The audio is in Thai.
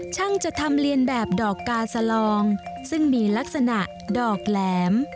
ช่างจะทำเรียนแบบดอกกาสลองซึ่งมีลักษณะดอกแหลม